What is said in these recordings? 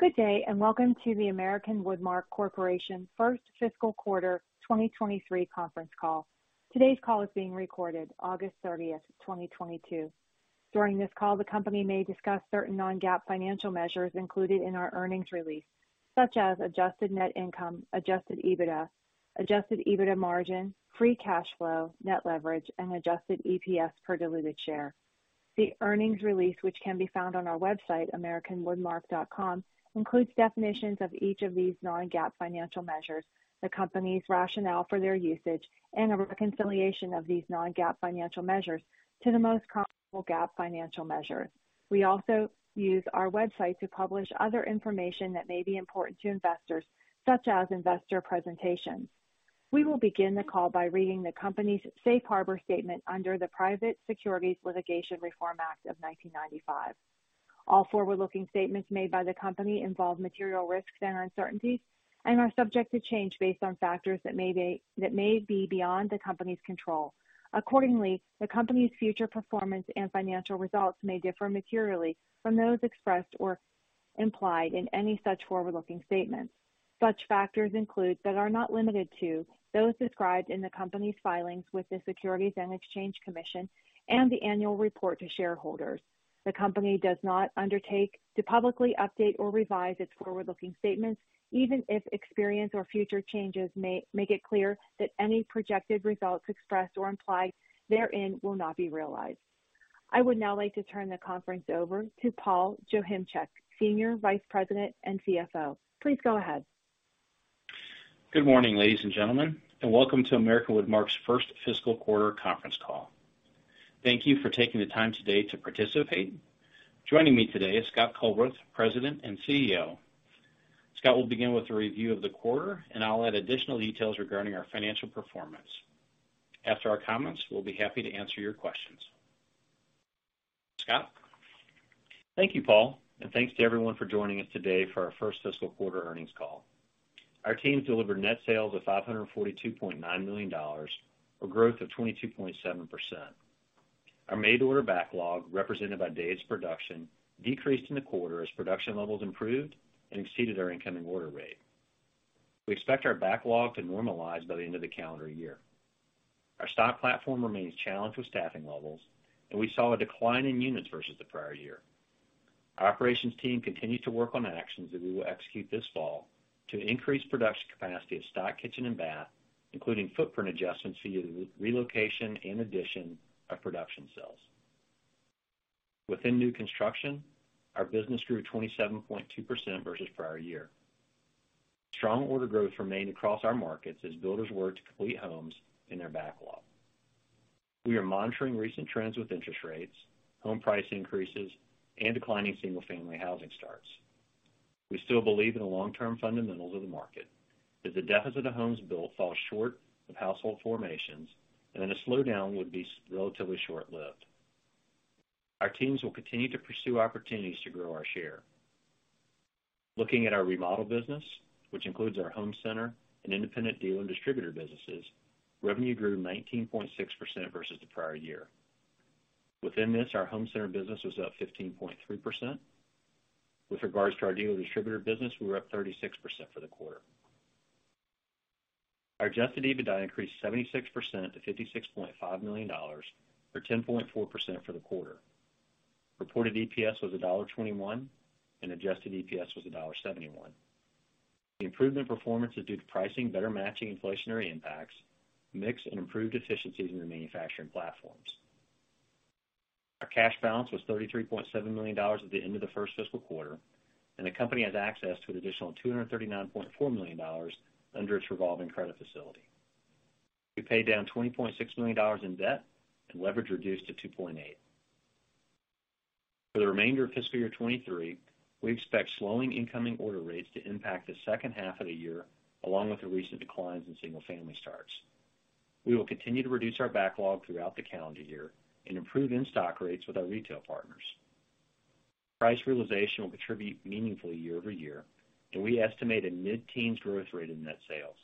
Good day, and welcome to the American Woodmark Corporation first fiscal quarter 2023 conference call. Today's call is being recorded August 30, 2022. During this call, the company may discuss certain non-GAAP financial measures included in our earnings release, such as adjusted net income, adjusted EBITDA, adjusted EBITDA margin, free cash flow, net leverage, and adjusted EPS per diluted share. The earnings release, which can be found on our website, americanwoodmark.com, includes definitions of each of these non-GAAP financial measures, the company's rationale for their usage, and a reconciliation of these non-GAAP financial measures to the most comparable GAAP financial measure. We also use our website to publish other information that may be important to investors, such as investor presentations. We will begin the call by reading the company's safe harbor statement under the Private Securities Litigation Reform Act of 1995. All forward-looking statements made by the company involve material risks and uncertainties and are subject to change based on factors that may be beyond the company's control. Accordingly, the company's future performance and financial results may differ materially from those expressed or implied in any such forward-looking statements. Such factors include, but are not limited to, those described in the company's filings with the Securities and Exchange Commission and the annual report to shareholders. The company does not undertake to publicly update or revise its forward-looking statements, even if experience or future changes may make it clear that any projected results expressed or implied therein will not be realized. I would now like to turn the conference over to Paul Joachimczyk, Senior Vice President and CFO. Please go ahead. Good morning, ladies and gentlemen, and welcome to American Woodmark's first fiscal quarter conference call. Thank you for taking the time today to participate. Joining me today is Scott Culbreth, President and CEO. Scott will begin with a review of the quarter, and I'll add additional details regarding our financial performance. After our comments, we'll be happy to answer your questions. Scott? Thank you, Paul, and thanks to everyone for joining us today for our first fiscal quarter earnings call. Our teams delivered net sales of $542.9 million, a growth of 22.7%. Our made order backlog, represented by day's production, decreased in the quarter as production levels improved and exceeded our incoming order rate. We expect our backlog to normalize by the end of the calendar year. Our stock platform remains challenged with staffing levels, and we saw a decline in units versus the prior year. Our operations team continued to work on actions that we will execute this fall to increase production capacity of stock kitchen and bath, including footprint adjustments via re-relocation and addition of production cells. Within new construction, our business grew 27.2% versus prior year. Strong order growth remained across our markets as builders worked to complete homes in their backlog. We are monitoring recent trends with interest rates, home price increases, and declining single-family housing starts. We still believe in the long-term fundamentals of the market, that the deficit of homes built falls short of household formations and that a slowdown would be relatively short-lived. Our teams will continue to pursue opportunities to grow our share. Looking at our remodel business, which includes our home center and independent dealer and distributor businesses, revenue grew 19.6% versus the prior year. Within this, our home center business was up 15.3%. With regards to our dealer distributor business, we were up 36% for the quarter. Our adjusted EBITDA increased 76% to $56.5 million, or 10.4% for the quarter. Reported EPS was $1.21, and adjusted EPS was $1.71. The improvement performance is due to pricing better matching inflationary impacts, mix and improved efficiencies in the manufacturing platforms. Our cash balance was $33.7 million at the end of the first fiscal quarter, and the company has access to an additional $239.4 million under its revolving credit facility. We paid down $20.6 million in debt and leverage reduced to 2.8. For the remainder of fiscal year 2023, we expect slowing incoming order rates to impact the second half of the year, along with the recent declines in single-family starts. We will continue to reduce our backlog throughout the calendar year and improve in-stock rates with our retail partners. Price realization will contribute meaningfully year-over-year, and we estimate a mid-teens growth rate in net sales.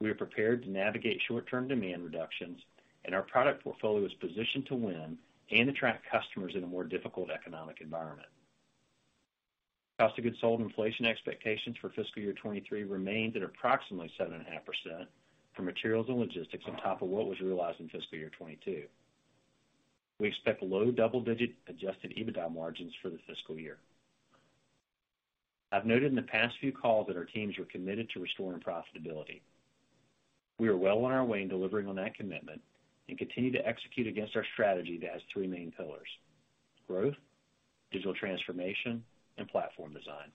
We are prepared to navigate short-term demand reductions, and our product portfolio is positioned to win and attract customers in a more difficult economic environment. Cost of goods sold inflation expectations for fiscal year 2023 remains at approximately 7.5% for materials and logistics on top of what was realized in fiscal year 2022. We expect low double-digit% adjusted EBITDA margins for the fiscal year. I've noted in the past few calls that our teams were committed to restoring profitability. We are well on our way in delivering on that commitment and continue to execute against our strategy that has three main pillars, growth, digital transformation, and platform design.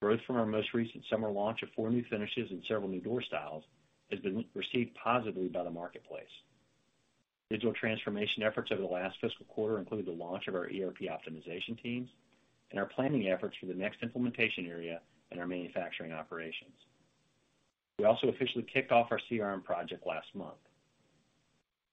Growth from our most recent summer launch of four new finishes and several new door styles has been received positively by the marketplace. Digital transformation efforts over the last fiscal quarter include the launch of our ERP optimization teams and our planning efforts for the next implementation area in our manufacturing operations. We also officially kicked off our CRM project last month.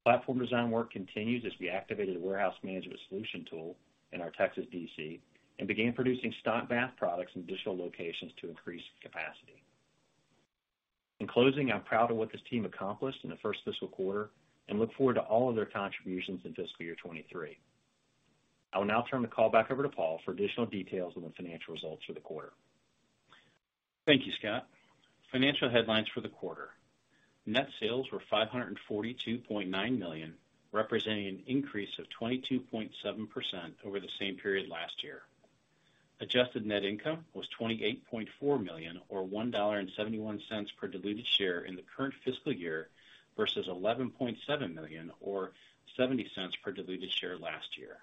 Platform design work continues as we activated a warehouse management solution tool in our Texas DC and began producing stock bath products in additional locations to increase capacity. In closing, I'm proud of what this team accomplished in the first fiscal quarter and look forward to all of their contributions in fiscal year 2023. I will now turn the call back over to Paul for additional details on the financial results for the quarter. Thank you, Scott. Financial headlines for the quarter. Net sales were $542.9 million, representing an increase of 22.7% over the same period last year. Adjusted net income was $28.4 million, or $1.71 per diluted share in the current fiscal year versus $11.7 million or $0.70 per diluted share last year.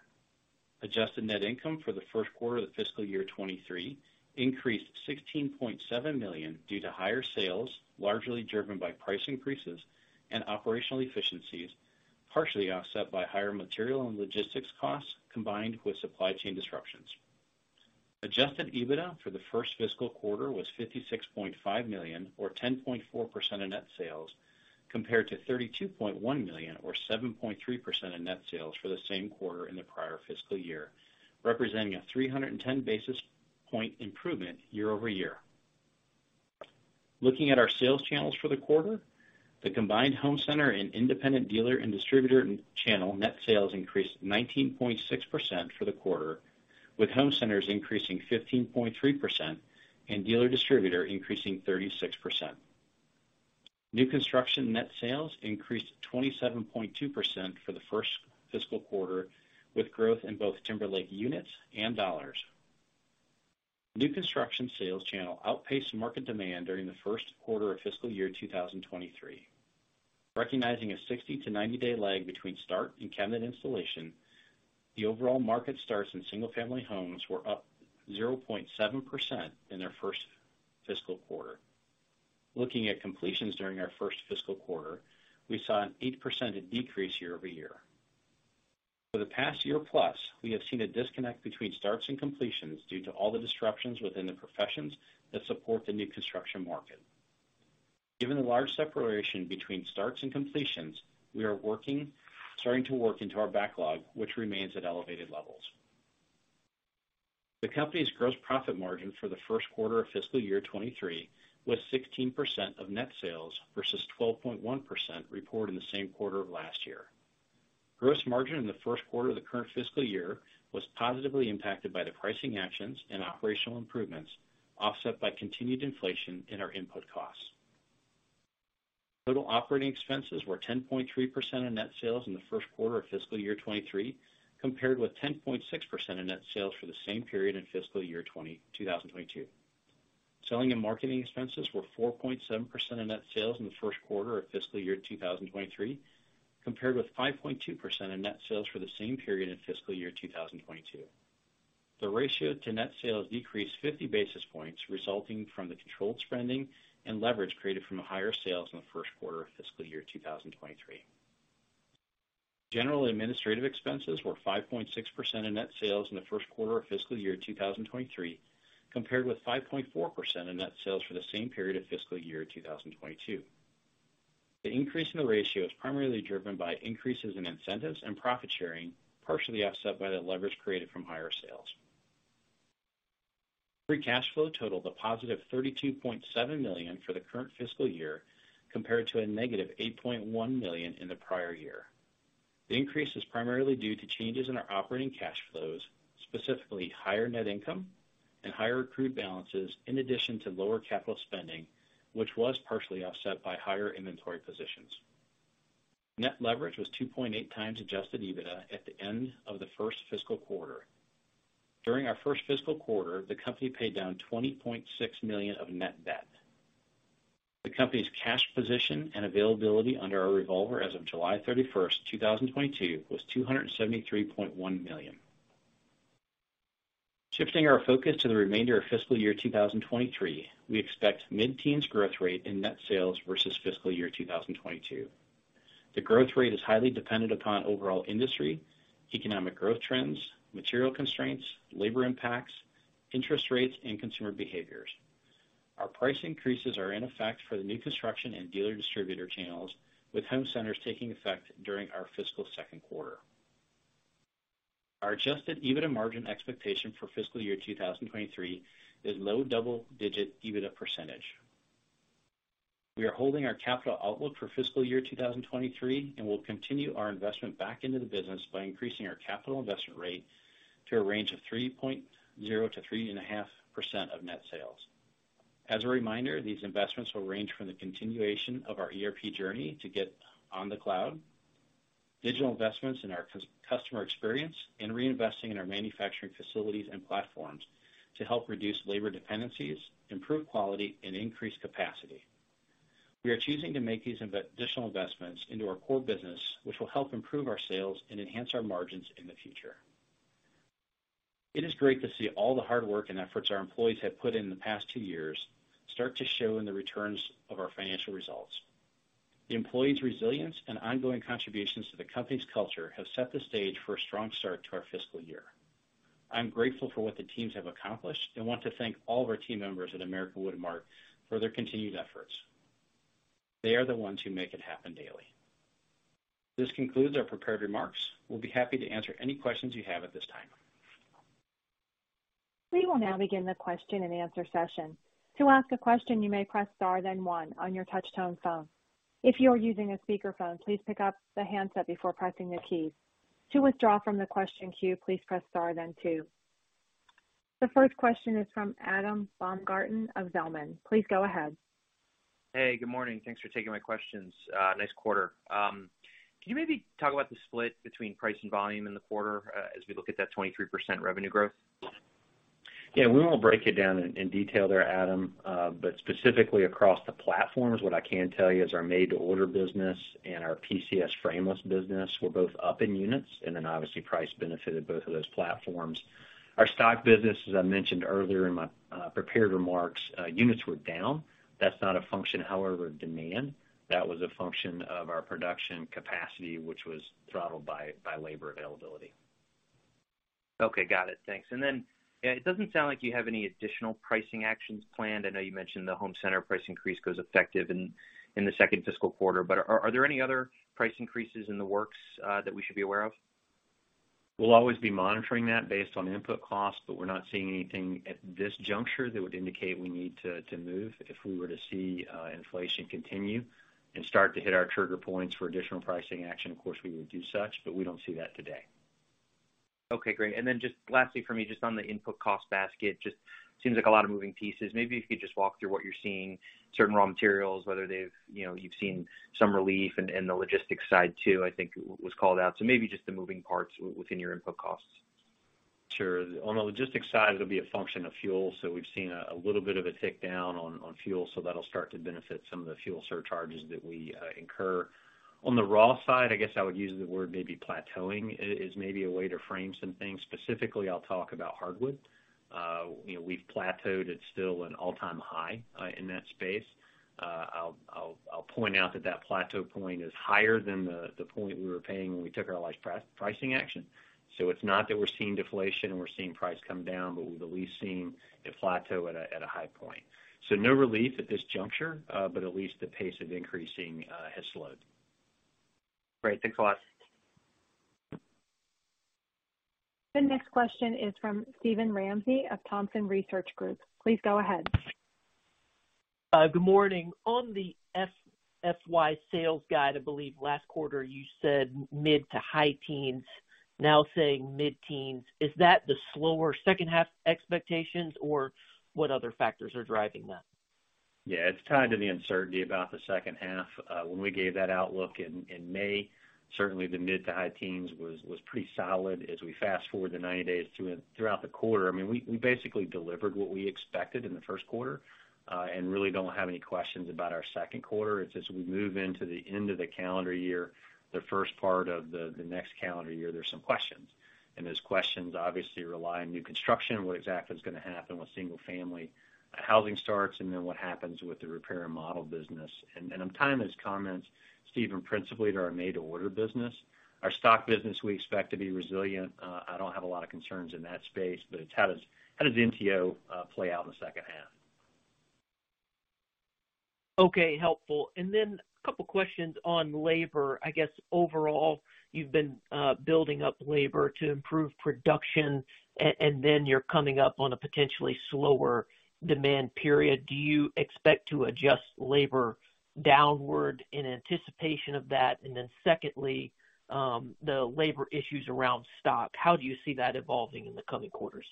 Adjusted net income for the first quarter of the fiscal year 2023 increased $16.7 million due to higher sales, largely driven by price increases and operational efficiencies, partially offset by higher material and logistics costs, combined with supply chain disruptions. Adjusted EBITDA for the first fiscal quarter was $56.5 million or 10.4% of net sales, compared to $32.1 million or 7.3% of net sales for the same quarter in the prior fiscal year, representing a 310 basis point improvement year over year. Looking at our sales channels for the quarter, the combined home center and independent dealer and distributor channel net sales increased 19.6% for the quarter, with home centers increasing 15.3% and dealer distributor increasing 36%. New construction net sales increased 27.2% for the first fiscal quarter, with growth in both Timberlake units and dollars. New construction sales channel outpaced market demand during the first quarter of fiscal year 2023. Recognizing a 60 to 90 day lag between start and cabinet installation, the overall market starts in single-family homes were up 0.7% in their first fiscal quarter. Looking at completions during our first fiscal quarter, we saw an 8% decrease year-over-year. For the past year plus, we have seen a disconnect between starts and completions due to all the disruptions within the professions that support the new construction market. Given the large separation between starts and completions, we are starting to work into our backlog, which remains at elevated levels. The company's gross profit margin for the first quarter of fiscal year 2023 was 16% of net sales versus 12.1% reported in the same quarter of last year. Gross margin in the first quarter of the current fiscal year was positively impacted by the pricing actions and operational improvements, offset by continued inflation in our input costs. Total operating expenses were 10.3% of net sales in the first quarter of fiscal year 2023, compared with 10.6% of net sales for the same period in fiscal year 2022. Selling and marketing expenses were 4.7% of net sales in the first quarter of fiscal year 2023, compared with 5.2% of net sales for the same period in fiscal year 2022. The ratio to net sales decreased 50 basis points, resulting from the controlled spending and leverage created from higher sales in the first quarter of fiscal year 2023. General administrative expenses were 5.6% of net sales in the first quarter of fiscal year 2023, compared with 5.4% of net sales for the same period of fiscal year 2022. The increase in the ratio is primarily driven by increases in incentives and profit sharing, partially offset by the leverage created from higher sales. Free cash flow totaled a positive $32.7 million for the current fiscal year, compared to a negative $8.1 million in the prior year. The increase is primarily due to changes in our operating cash flows, specifically higher net income and higher accrued balances, in addition to lower capital spending, which was partially offset by higher inventory positions. Net leverage was 2.8x adjusted EBITDA at the end of the first fiscal quarter. During our first fiscal quarter, the company paid down $20.6 million of net debt. The company's cash position and availability under our revolver as of July 31st, 2022, was $273.1 million. Shifting our focus to the remainder of fiscal year 2023, we expect mid-teens growth rate in net sales versus fiscal year 2022. The growth rate is highly dependent upon overall industry, economic growth trends, material constraints, labor impacts, interest rates, and consumer behaviors. Our price increases are in effect for the new construction and dealer distributor channels, with home centers taking effect during our fiscal second quarter. Our adjusted EBITDA margin expectation for fiscal year 2023 is low double-digit EBITDA percentage. We are holding our capital outlook for fiscal year 2023, and we'll continue our investment back into the business by increasing our capital investment rate to a range of 3.0%-3.5% of net sales. As a reminder, these investments will range from the continuation of our ERP journey to get on the cloud, digital investments in our customer experience, and reinvesting in our manufacturing facilities and platforms to help reduce labor dependencies, improve quality, and increase capacity. We are choosing to make these additional investments into our core business, which will help improve our sales and enhance our margins in the future. It is great to see all the hard work and efforts our employees have put in the past two years start to show in the returns of our financial results. The employees' resilience and ongoing contributions to the company's culture have set the stage for a strong start to our fiscal year. I'm grateful for what the teams have accomplished and want to thank all of our team members at American Woodmark for their continued efforts. They are the ones who make it happen daily. This concludes our prepared remarks. We'll be happy to answer any questions you have at this time. We will now begin the question and answer session. To ask a question, you may press star then one on your touchtone phone. If you are using a speakerphone, please pick up the handset before pressing the key. To withdraw from the question queue, please press star then two. The first question is from Adam Baumgarten of Zelman & Associates. Please go ahead. Hey, good morning. Thanks for taking my questions. Nice quarter. Can you maybe talk about the split between price and volume in the quarter, as we look at that 23% revenue growth? Yeah, we won't break it down in detail there, Adam. Specifically across the platforms, what I can tell you is our made to order business and our PCS frameless business were both up in units and then obviously price benefited both of those platforms. Our stock business, as I mentioned earlier in my prepared remarks, units were down. That's not a function however of demand. That was a function of our production capacity, which was throttled by labor availability. Okay. Got it. Thanks. Then, it doesn't sound like you have any additional pricing actions planned. I know you mentioned the home center price increase goes effective in the second fiscal quarter, but are there any other price increases in the works that we should be aware of? We'll always be monitoring that based on input costs, but we're not seeing anything at this juncture that would indicate we need to move. If we were to see inflation continue and start to hit our trigger points for additional pricing action, of course, we would do so, but we don't see that today. Okay, great. Just lastly for me, just on the input cost basket, just seems like a lot of moving pieces. Maybe if you could just walk through what you're seeing, certain raw materials, whether they've, you know, you've seen some relief in the logistics side too, I think was called out. Maybe just the moving parts within your input costs. Sure. On the logistics side, it'll be a function of fuel. We've seen a little bit of a tick down on fuel, so that'll start to benefit some of the fuel surcharges that we incur. On the raw side, I guess I would use the word maybe plateauing as maybe a way to frame some things. Specifically, I'll talk about hardwood. You know, we've plateaued. It's still an all-time high in that space. I'll point out that that plateau point is higher than the point we were paying when we took our last pricing action. It's not that we're seeing deflation or we're seeing price come down, but we've at least seen it plateau at a high point. No relief at this juncture, but at least the pace of increasing has slowed. Great. Thanks a lot. The next question is from Steven Ramsey of Thompson Research Group. Please go ahead. Good morning. On the FY sales guide, I believe last quarter you said mid- to high-teens%, now saying mid-teens%. Is that the slower second half expectations or what other factors are driving that? Yeah. It's tied to the uncertainty about the second half. When we gave that outlook in May, certainly the mid to high teens was pretty solid. As we fast-forward the 90 days throughout the quarter, I mean, we basically delivered what we expected in the first quarter, and really don't have any questions about our second quarter. It's as we move into the end of the calendar year, the first part of the next calendar year. There's some questions. Those questions obviously rely on new construction, what exactly is gonna happen with single family housing starts, and then what happens with the repair and remodel business. I'm tying those comments, Stephen, principally to our made to order business. Our stock business we expect to be resilient. I don't have a lot of concerns in that space, but it's how does MTO play out in the second half. Okay. Helpful. A couple questions on labor. I guess overall, you've been building up labor to improve production, and then you're coming up on a potentially slower demand period. Do you expect to adjust labor downward in anticipation of that? Secondly, the labor issues around stock, how do you see that evolving in the coming quarters?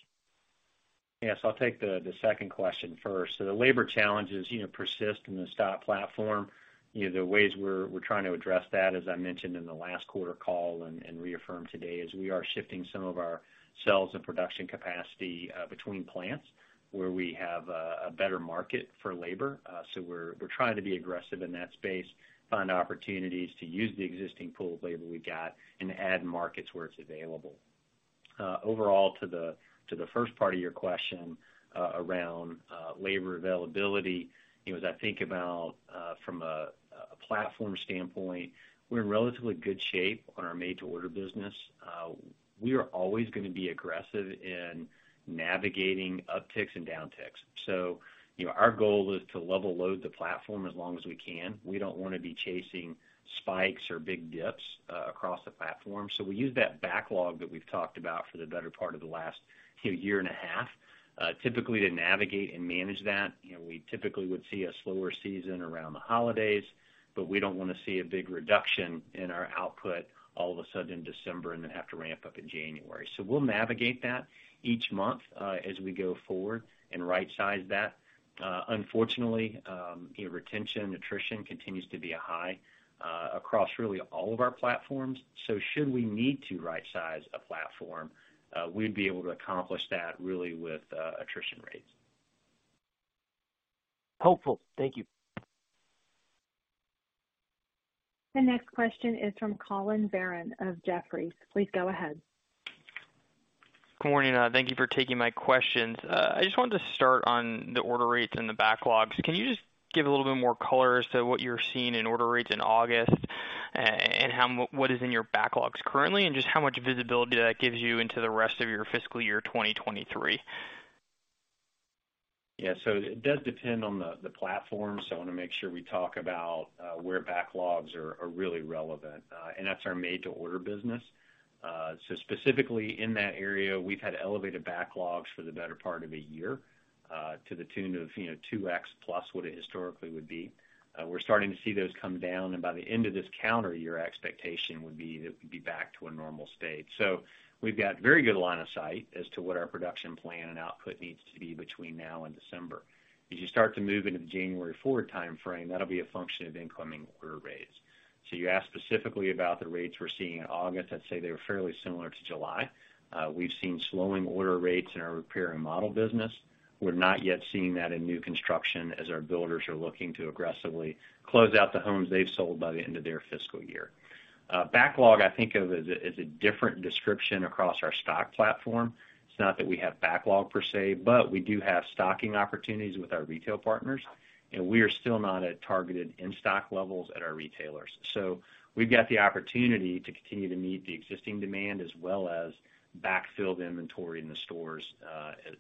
Yes, I'll take the second question first. The labor challenges, you know, persist in the stock platform. You know, the ways we're trying to address that, as I mentioned in the last quarter call and reaffirm today, is we are shifting some of our sales and production capacity between plants where we have a better market for labor. We're trying to be aggressive in that space, find opportunities to use the existing pool of labor we've got and add markets where it's available. Overall, to the first part of your question, around labor availability, you know, as I think about from a platform standpoint, we're in relatively good shape on our made to order business. We are always gonna be aggressive in navigating upticks and downticks. You know, our goal is to level load the platform as long as we can. We don't wanna be chasing spikes or big dips across the platform. We use that backlog that we've talked about for the better part of the last, you know, year and a half, typically to navigate and manage that. You know, we typically would see a slower season around the holidays, but we don't wanna see a big reduction in our output all of a sudden in December and then have to ramp up in January. We'll navigate that each month as we go forward and right-size that. Unfortunately, you know, retention, attrition continues to be a high across really all of our platforms. Should we need to right-size a platform, we'd be able to accomplish that really with attrition rates. Helpful. Thank you. The next question is from Colin Baron of Jefferies. Please go ahead. Good morning. Thank you for taking my questions. I just wanted to start on the order rates and the backlogs. Can you just give a little bit more color as to what you're seeing in order rates in August and what is in your backlogs currently, and just how much visibility that gives you into the rest of your fiscal year 2023? Yeah. It does depend on the platform. I wanna make sure we talk about where backlogs are really relevant, and that's our made to order business. Specifically in that area, we've had elevated backlogs for the better part of a year, to the tune of 2x plus what it historically would be. We're starting to see those come down, and by the end of this calendar year, expectation would be it would be back to a normal state. We've got very good line of sight as to what our production plan and output needs to be between now and December. As you start to move into the January forward timeframe, that'll be a function of incoming order rates. You asked specifically about the rates we're seeing in August. I'd say they were fairly similar to July. We've seen slowing order rates in our remodel business. We're not yet seeing that in new construction as our builders are looking to aggressively close out the homes they've sold by the end of their fiscal year. Backlog, I think of as a different description across our stock platform. It's not that we have backlog per se, but we do have stocking opportunities with our retail partners, and we are still not at targeted in-stock levels at our retailers. We've got the opportunity to continue to meet the existing demand as well as backfill the inventory in the stores,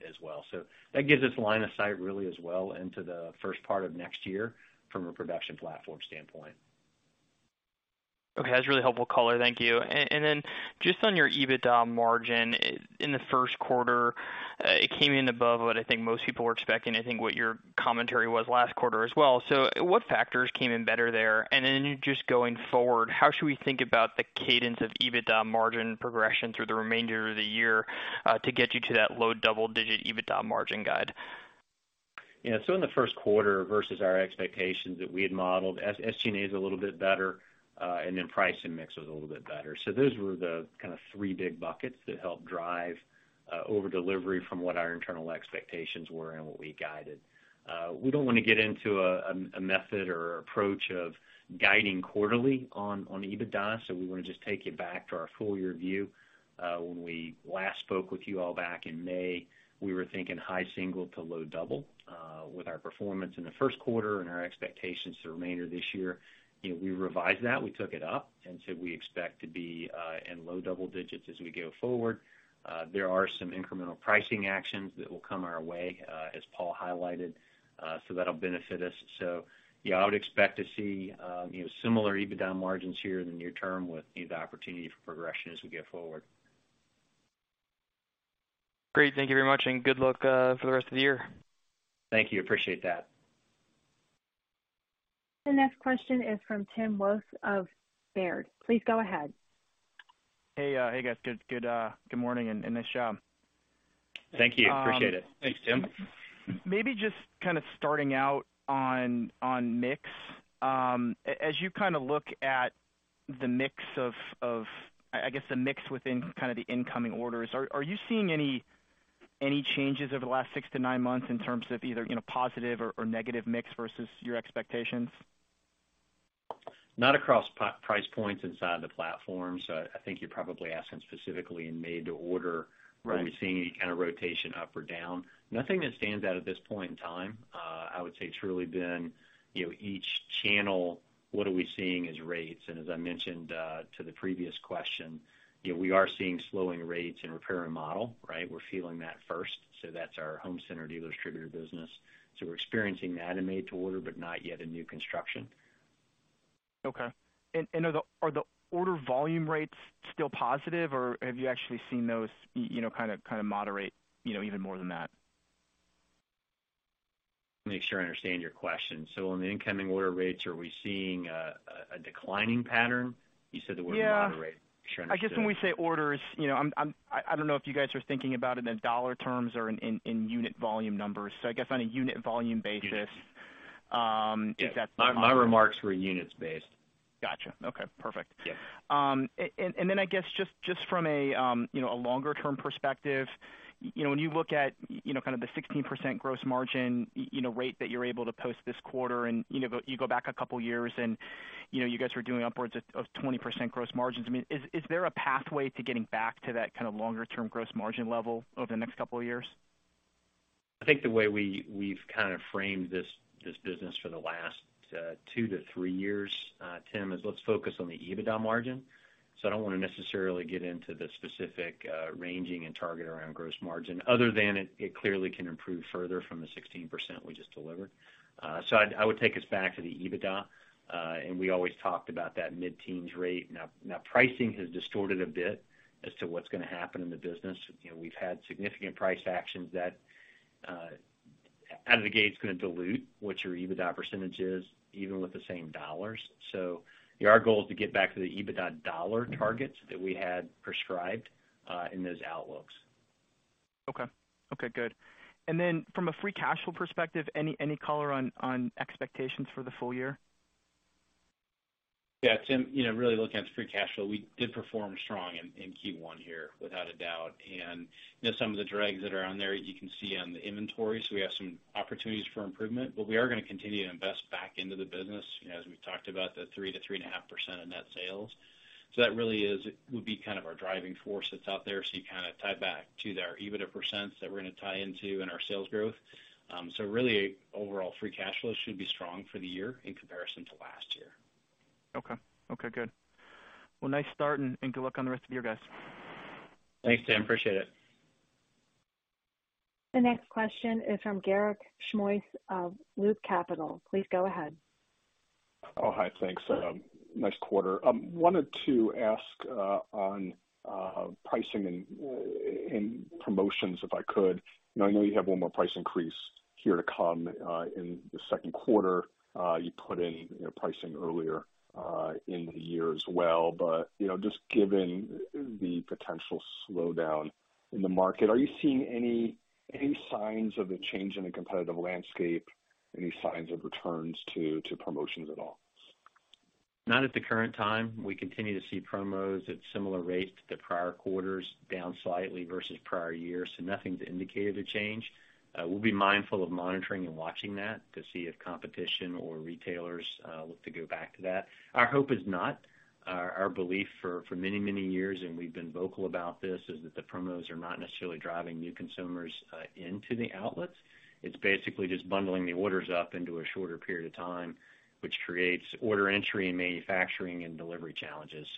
as well. That gives us line of sight really as well into the first part of next year from a production platform standpoint. Okay. That's really helpful color. Thank you. Just on your EBITDA margin. In the first quarter, it came in above what I think most people were expecting, I think what your commentary was last quarter as well. What factors came in better there? Just going forward, how should we think about the cadence of EBITDA margin progression through the remainder of the year, to get you to that low double-digit EBITDA margin guide? Yeah. In the first quarter versus our expectations that we had modeled, SG&A is a little bit better, and then price and mix was a little bit better. Those were the kinda three big buckets that helped drive over-delivery from what our internal expectations were and what we guided. We don't wanna get into a method or approach of guiding quarterly on EBITDA, so we wanna just take you back to our full year view. When we last spoke with you all back in May, we were thinking high single to low double. With our performance in the first quarter and our expectations the remainder of this year, you know, we revised that. We took it up and said we expect to be in low double digits as we go forward. There are some incremental pricing actions that will come our way, as Paul highlighted. That'll benefit us. Yeah, I would expect to see, you know, similar EBITDA margins here in the near term with the opportunity for progression as we go forward. Great. Thank you very much, and good luck for the rest of the year. Thank you. Appreciate that. The next question is from Tim Wojs of Baird. Please go ahead. Hey, guys. Good morning, and nice job. Thank you. Appreciate it. Thanks, Tim. Maybe just kind of starting out on mix. As you kind of look at the mix I guess the mix within kind of the incoming orders, are you seeing any changes over the last six to nine months in terms of either, you know, positive or negative mix versus your expectations? Not across price points inside the platforms. I think you're probably asking specifically in made to order. Right. Are we seeing any kind of rotation up or down? Nothing that stands out at this point in time. I would say it's really been, you know, each channel, what are we seeing as rates? As I mentioned, to the previous question, you know, we are seeing slowing rates in repair and remodel, right? We're feeling that first, so that's our home center dealer distributor business. We're experiencing that in made to order, but not yet in new construction. Okay. Are the order volume rates still positive, or have you actually seen those you know, kind of moderate, you know, even more than that? Make sure I understand your question. On the incoming order rates, are we seeing a declining pattern? You said the word moderate. Yeah. I guess when we say orders, you know, I don't know if you guys are thinking about it in dollar terms or in unit volume numbers. I guess on a unit volume basis. My remarks were units based. Gotcha. Okay, perfect. Yeah. I guess just from a longer term perspective, you know, when you look at, you know, kind of the 16% gross margin, you know, rate that you're able to post this quarter and, you know, you go back a couple years and, you know, you guys are doing upwards of 20% gross margins. I mean, is there a pathway to getting back to that kind of longer term gross margin level over the next couple of years? I think the way we've kind of framed this business for the last two to three years, Tim, is let's focus on the EBITDA margin. I don't wanna necessarily get into the specific range and target around gross margin other than it clearly can improve further from the 16% we just delivered. I would take us back to the EBITDA, and we always talked about that mid-teens rate. Now pricing has distorted a bit as to what's gonna happen in the business. You know, we've had significant price actions that out of the gate is gonna dilute what your EBITDA percentage is, even with the same dollars. Yeah, our goal is to get back to the EBITDA dollar targets that we had prescribed in those outlooks. Okay. Okay, good. From a free cash flow perspective, any color on expectations for the full year? Yeah, Tim, you know, really looking at free cash flow, we did perform strong in Q1 here without a doubt. You know, some of the drags that are on there, you can see on the inventory. We have some opportunities for improvement, but we are gonna continue to invest back into the business, you know, as we've talked about, the 3%-3.5% of net sales. That really would be kind of our driving force that's out there. You kinda tie back to their EBITDA percents that we're gonna tie into in our sales growth. Really overall free cash flow should be strong for the year in comparison to last year. Okay, good. Well, nice start, and good luck on the rest of you guys. Thanks, Tim. Appreciate it. The next question is from Garik Shmois of Loop Capital. Please go ahead. Oh, hi. Thanks. Nice quarter. Wanted to ask on pricing and promotions, if I could. Now, I know you have one more price increase here to come in the second quarter. You put in, you know, pricing earlier in the year as well, but, you know, just given the potential slowdown in the market, are you seeing any signs of a change in the competitive landscape? Any signs of returns to promotions at all? Not at the current time. We continue to see promos at similar rates to the prior quarters, down slightly versus prior years. Nothing's indicated a change. We'll be mindful of monitoring and watching that to see if competition or retailers look to go back to that. Our hope is not. Our belief for many years, and we've been vocal about this, is that the promos are not necessarily driving new consumers into the outlets. It's basically just bundling the orders up into a shorter period of time, which creates order entry and manufacturing and delivery challenges.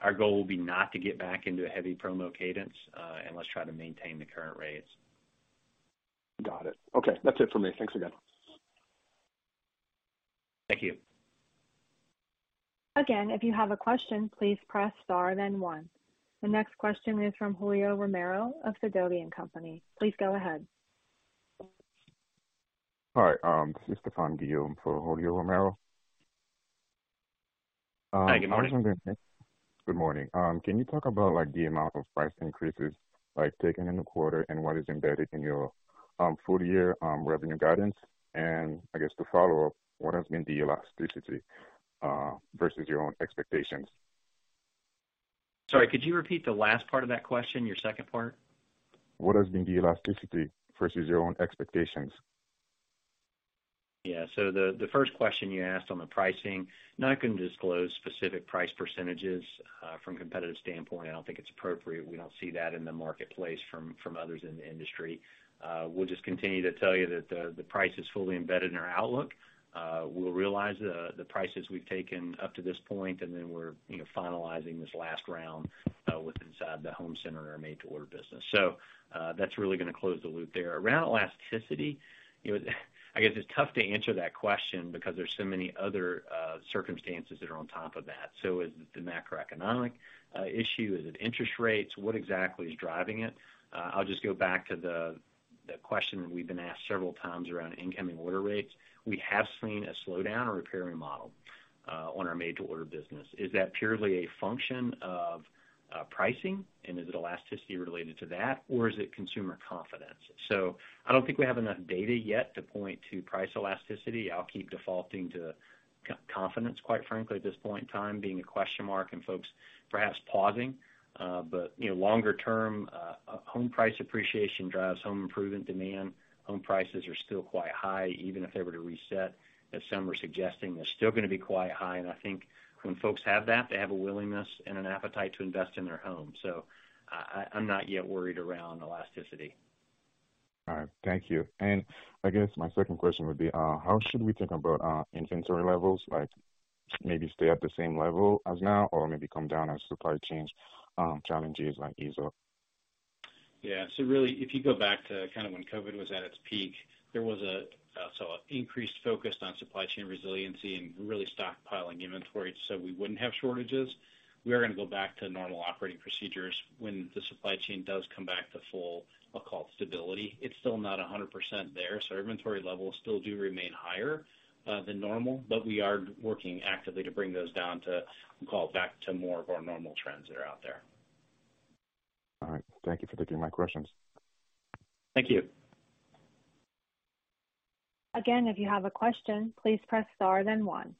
Our goal will be not to get back into a heavy promo cadence, and let's try to maintain the current rates. Got it. Okay. That's it for me. Thanks again. Thank you. Again, if you have a question, please press star then one. The next question is from Julio Romero of Sidoti & Company. Please go ahead. Hi, this is Stephan Guillaume for Julio Romero. Hi, good morning. Good morning. Can you talk about, like, the amount of price increases, like, taken in the quarter and what is embedded in your full year revenue guidance? I guess to follow up, what has been the elasticity versus your own expectations? Sorry, could you repeat the last part of that question? Your second part. What has been the elasticity versus your own expectations? Yeah. The first question you asked on the pricing. Not gonna disclose specific price percentages from a competitive standpoint, I don't think it's appropriate. We don't see that in the marketplace from others in the industry. We'll just continue to tell you that the price is fully embedded in our outlook. We'll realize the prices we've taken up to this point, and then we're, you know, finalizing this last round with inside the home center and our made to order business. That's really gonna close the loop there. Around elasticity, you know, I guess it's tough to answer that question because there's so many other circumstances that are on top of that. Is it the macroeconomic issue? Is it interest rates? What exactly is driving it? I'll just go back to the question that we've been asked several times around incoming order rates. We have seen a slowdown in repair remodel on our made to order business. Is that purely a function of pricing, and is it elasticity related to that? Or is it consumer confidence? I don't think we have enough data yet to point to price elasticity. I'll keep defaulting to consumer confidence, quite frankly, at this point in time being a question mark and folks perhaps pausing. You know, longer term, home price appreciation drives home improvement demand. Home prices are still quite high. Even if they were to reset, as some are suggesting, they're still gonna be quite high. I think when folks have that, they have a willingness and an appetite to invest in their home. I'm not yet worried around elasticity. All right. Thank you. I guess my second question would be, how should we think about inventory levels? Like, maybe stay at the same level as now or maybe come down as supply chain challenges ease up? Yeah. Really, if you go back to kind of when COVID was at its peak, there was increased focus on supply chain resiliency and really stockpiling inventory so we wouldn't have shortages. We are gonna go back to normal operating procedures when the supply chain does come back to full stability, I'll call it stability. It's still not 100% there, so our inventory levels still do remain higher than normal, but we are working actively to bring those down to call it back to more of our normal trends that are out there. All right. Thank you for taking my questions. Thank you. Again, if you have a question, please press star then one.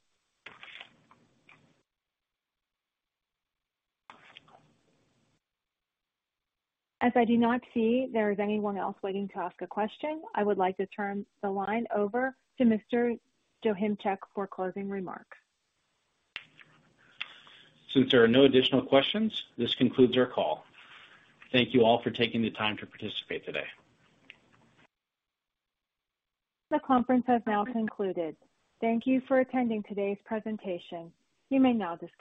As I do not see there is anyone else waiting to ask a question, I would like to turn the line over to Mr. Joachimczyk for closing remarks. Since there are no additional questions, this concludes our call. Thank you all for taking the time to participate today. The conference has now concluded. Thank you for attending today's presentation. You may now disconnect.